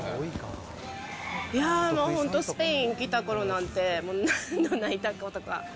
いやー、もう本当、スペイン来たころなんて、何度泣いたことか。